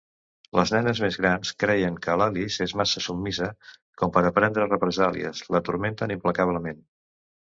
Les nenes més grans, creient que l'Alice és massa submisa com per a prendre represàlies, la turmenten implacablement.